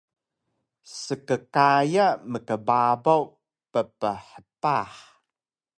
Skkaya mkbabaw pphpah